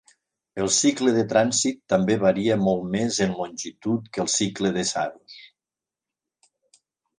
El cicle de trànsit també varia molt més en longitud que el cicle de saros.